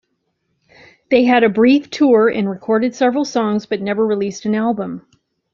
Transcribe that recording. They had a brief tour and recorded several songs, but never released an album.